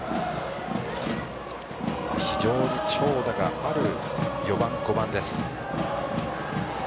非常に長打がある４番、５番です。